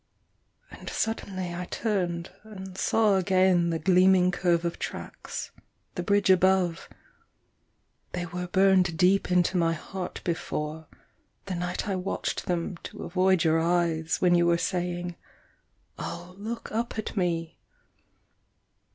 And suddenly I turned and saw again The gleaming curve of tracks, the bridge above They were burned deep into my heart before, The night I watched them to avoid your eyes, When you were saying, "Oh, look up at me!"